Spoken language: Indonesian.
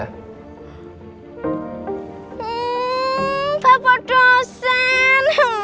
hmm bapak dosen